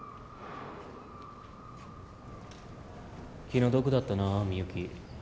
気の毒だったなみゆき。